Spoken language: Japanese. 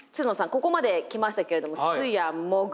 ここまで来ましたけれどもスヤモグ。